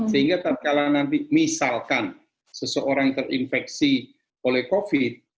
sehingga tak kalah nanti misalkan seseorang terinfeksi oleh covid